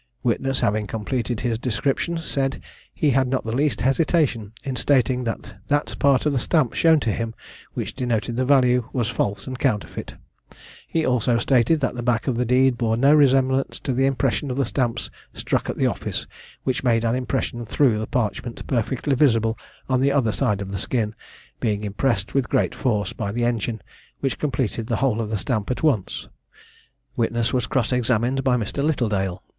Witness having completed his description, said he had not the least hesitation in stating that that part of the stamp shown to him which denoted the value, was false and counterfeit: he also stated, that the back of the deed bore no resemblance to the impression of the stamps struck at the office, which made an impression through the parchment perfectly visible on the other side of the skin, being impressed with great force by the engine, which completed the whole of the stamp at once. Witness was cross examined by Mr. Littledale.